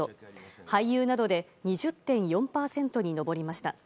俳優などで２０．４％に上りました。